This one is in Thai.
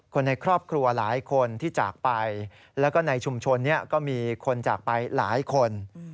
คนในครอบครัวหลายคนที่จากไปแล้วก็ในชุมชนนี้ก็มีคนจากไปหลายคน